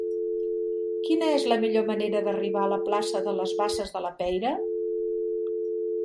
Quina és la millor manera d'arribar a la plaça de les Basses de la Peira?